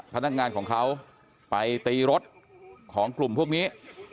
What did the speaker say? พนักงานของเขาไปตีรถของกลุ่มพวกนี้